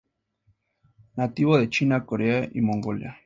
Nativo de China, Corea y Mongolia.